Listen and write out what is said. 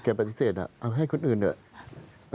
เอาให้คนอื่นเดี๋ยว